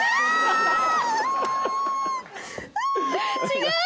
違う！